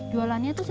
jualannya itu sedang